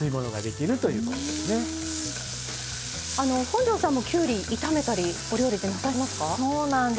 本上さんもきゅうり炒めたりお料理でなさいますか？